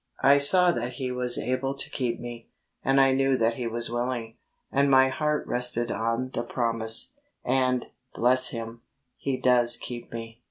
I saw that He was able to keep me, and I knew that He was willing, and my heart rested on the promise ; and, bless Him, He does keep me.